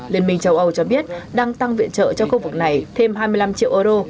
liên minh châu âu cho biết đang tăng viện trợ cho khu vực này thêm hai mươi năm triệu euro